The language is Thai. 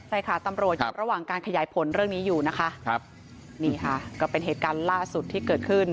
ใช่ค่ะตำรวจอยู่ระหว่างการขยายผลเรื่องนี้อยู่นะคะครับนี่ค่ะก็เป็นเหตุการณ์ล่าสุดที่เกิดขึ้น